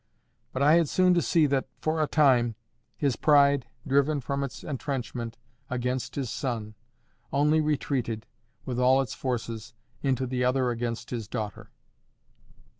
But I had soon to see that, for a time, his pride, driven from its entrenchment against his son, only retreated, with all its forces, into the other against his daughter.